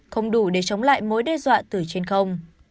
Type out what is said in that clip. không đủ để chống lại mối đe dọa từ trên không